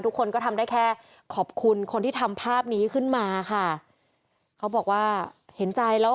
ทุกคนก็ทำได้แค่ขอบคุณคนที่ทำภาพนี้ขึ้นมาค่ะเขาบอกว่าเห็นใจแล้ว